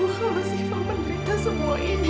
kalau siva menderita semua ini